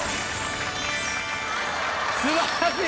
素晴らしい！